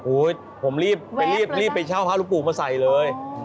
อุ๊ยผมรีบไปเช่าพระพระรุกปู่มาใส่เลย